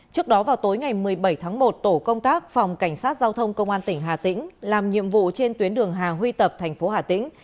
trước đó vào tối ngày một mươi bảy tháng một tổ công tác phòng cảnh sát giao thông công an tỉnh hà tĩnh làm nhiệm vụ trên tuyến đường hà huy tập thành phố hà tĩnh